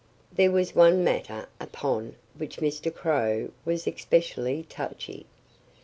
There was one matter upon which Mr. Crow was especially touchy.